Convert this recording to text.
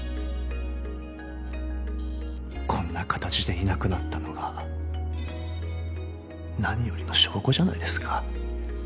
こんな形でいなくなったのが何よりの証拠じゃないですか。